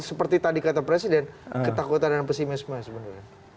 seperti tadi kata presiden ketakutan dan pesimisme sebenarnya